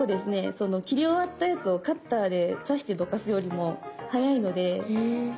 その切り終わったやつをカッターで刺してどかすよりも速いのでオススメです。